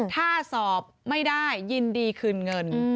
ถ้าสอบไม่ได้ยินดีคืนเงิน